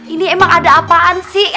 ini emang ada apaan sih